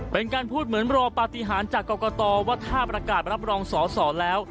เป็นการพูดเหมือนรอปฏิหารจากกรกตว่าถ้าประกาศรับรองสอสอแล้ว